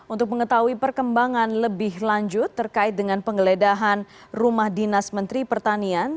untuk mengetahui perkembangan lebih lanjut terkait dengan penggeledahan rumah dinas menteri pertanian